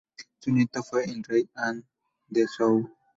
Su nieto fue el Rey An de Zhou.